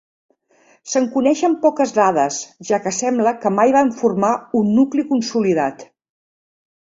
Se'n coneixen poques dades, ja que sembla que mai van formar un nucli consolidat.